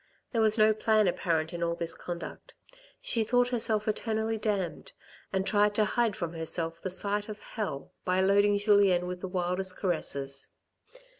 There was no plan apparent in all this conduct. She thought herself eternally damned, and tried to hide from herself the sight of hell by loading Julien with the wildest caresses.